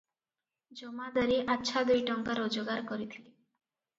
ଜମାଦାରେ ଆଚ୍ଛା ଦୁଇଟଙ୍କା ରୋଜଗାର କରିଥିଲେ ।